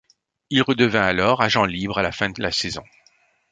Il redevient alors agent libre à la fin de la saison.